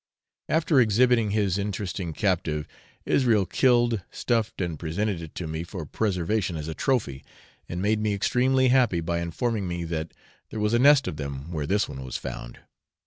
After exhibiting his interesting captive, Israel killed, stuffed, and presented it to me for preservation as a trophy, and made me extremely happy by informing me that there was a nest of them where this one was found.